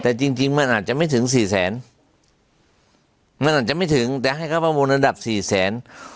แต่จริงจริงมันอาจจะไม่ถึงสี่แสนมันอาจจะไม่ถึงแต่ให้เขาประมูลระดับสี่แสน